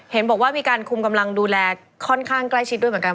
เห็นบอกว่ามีการคุมกำลังดูแลค่อนข้างใกล้ชิดด้วยเหมือนกัน